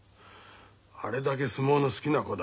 あれだけ相撲の好きな子だ。